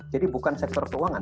jadi bukan sektor keuangan